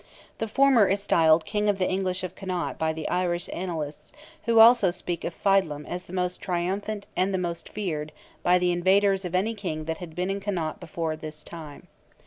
The former is styled King of the English of Connaught by the Irish Annalists, who also speak of Feidlim as "the most triumphant and the most feared (by the invaders) of any King that had been in Connaught before his time."